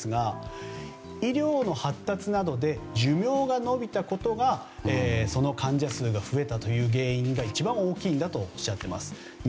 医療の発達などで寿命が延びたことがその患者数が増えたという原因が一番大きいんだとおっしゃっています。